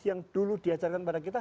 yang dulu diajarkan pada kita